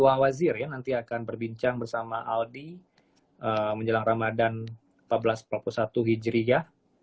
subhanu'awwazir ya nanti akan berbincang bersama aldi menjelang ramadan empat belas empat puluh satu hijri ya